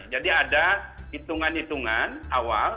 jadi ada itungan itungan awal